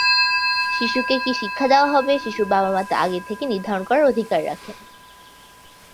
শিশুকে কী শিক্ষা দেওয়া হবে, শিশুর বাবা-মা তা আগে থেকে নির্ধারণ করার অধিকার রাখেন।